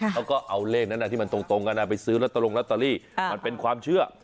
แล้วก็เอาเลขนั้นที่มันตรงกันไปซื้อลอตตรงลอตเตอรี่มันเป็นความเชื่อ